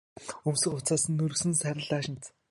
Өмссөн хувцас нь өгөршсөн саарал даашинз.